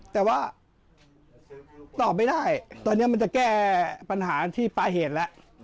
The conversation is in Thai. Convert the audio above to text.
แต่ว่าตอบไม่ได้ตอนนี้มันจะแก้ปัญหาที่ปลายเหตุแล้ว